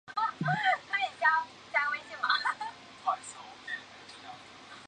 黄香草木樨是一种豆科植物。